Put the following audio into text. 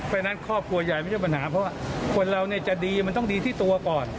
เพราะฉะนั้นครอบครัวใหญ่ไม่ใช่ปัญหาเพราะว่าคนเราจะดีมันต้องดีที่ตัวก่อน